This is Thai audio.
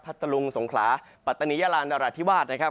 พัตตรุงสงคลาปัตตานียาลานรัฐธิวาสนะครับ